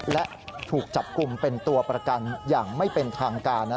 และถูกจับกลุ่มเป็นตัวประกันอย่างไม่เป็นทางการนะ